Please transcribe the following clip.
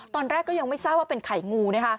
ตอนแรกก็ยังไม่ทราบว่าเป็นไข่งูนะคะ